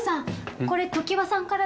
これ常盤さんからです